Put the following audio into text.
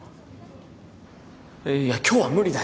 いや今日は無理だよ。